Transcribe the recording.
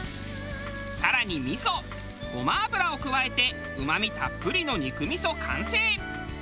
更に味噌ごま油を加えてうまみたっぷりの肉みそ完成。